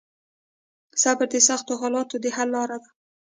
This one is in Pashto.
صبر د سختو حالاتو د حل لار ده.